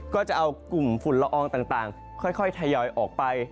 ก็จะเอากลุ่มฝุ่นละอองต่างค่อยทยอยออกไป